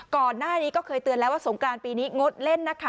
ก่อนหน้านี้ก็เคยเตือนแล้วว่าสงกรานปีนี้งดเล่นนะคะ